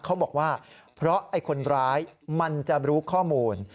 เขาบอกว่าเพราะไอ้คนร้ายมันจะรู้ข้อมูล